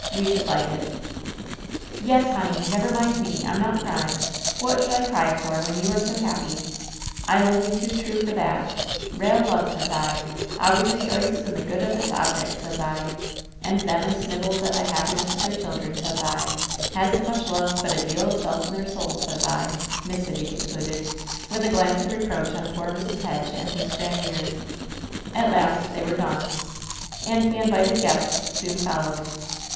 We should like it/' "Yes, honey! Never mind me! I'm not crying! What should I cry for, when you are so happy ? I love you too true for that ! Rale love, sez I, always rejoices in the good of its objects, sez I ! And them as snivels at the happiness of their children, sez I, hasn't much love, but a deal of self in their souls, sez I !" Miss Sibby con cluded, with a glance of reproach on poor Mrs. Hedge and Miss Grandiere. At last they were gone. And the invited guests soon followed.